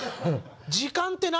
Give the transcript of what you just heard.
「時間って何？」